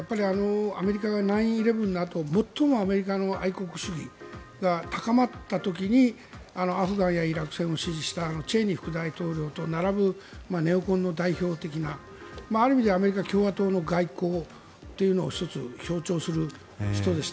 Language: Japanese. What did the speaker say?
アメリカ９・１１のあと最もアメリカの愛国主義が高まった時にアフガンやイラク戦を指示した副大統領と並ぶネオコンの代表的なある意味では共和党の外交というのを１つ象徴する人でした。